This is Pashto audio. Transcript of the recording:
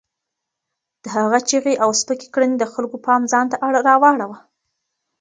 د هغه چیغې او سپکې کړنې د خلکو پام ځان ته رااړاوه.